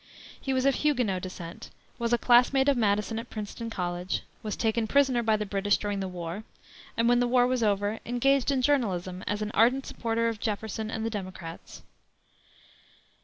He was of Huguenot descent, was a classmate of Madison at Princeton College, was taken prisoner by the British during the war, and when the war was over, engaged in journalism, as an ardent supporter of Jefferson and the Democrats.